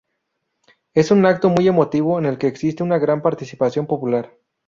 Es un acto muy emotivo en el que existe una gran participación popular.